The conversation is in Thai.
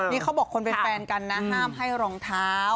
นี่เขาบอกคนเป็นแฟนกันนะห้ามให้รองเท้า